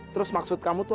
terus maksud kamu tuh